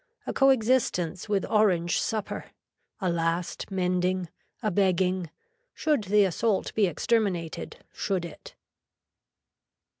A co existence with orange supper. A last mending. A begging. Should the assault be exterminated, should it.